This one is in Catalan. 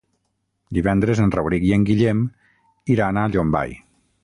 Divendres en Rauric i en Guillem iran a Llombai.